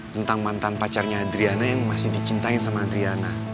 tentang mantan pacarnya hadriana yang masih dicintain sama hadriana